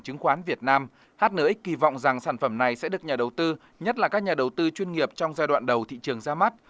hnx kỳ vọng rằng sản phẩm này sẽ được nhà đầu tư nhất là các nhà đầu tư chuyên nghiệp trong giai đoạn đầu thị trường ra mắt